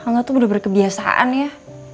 allah tuh udah berkebiasaan ya